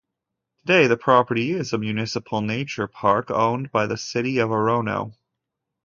Today the property is a municipal nature park owned by the City of Orono.